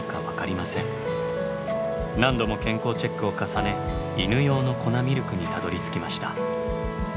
何度も健康チェックを重ね犬用の粉ミルクにたどりつきました。